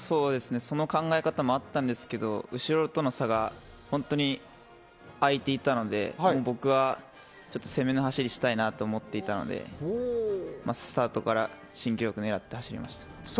その考え方もあったんですけど、後ろとの差が本当に空いていたので、僕は攻めの走りをしたいなと思っていたので、スタートから新記録を狙って走りました。